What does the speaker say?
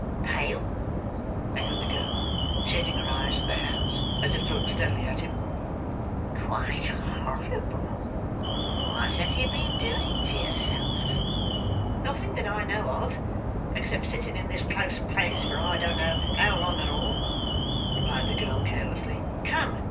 "Pale!" echoed the girl, shading her eyes with her hands, as if to look steadily at him. "Quite horrible. What have you been doing to yourself?" "Nothing that I know of, except sitting in this close place for I don't know how long and all," replied the girl carelessly. "Come!